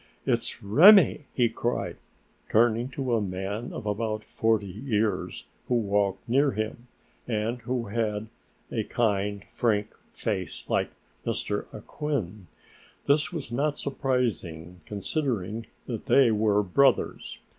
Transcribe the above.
"It's Remi," he cried, turning to a man of about forty years, who walked near him, and who had a kind, frank face like M. Acquin. This was not surprising, considering that they were brothers.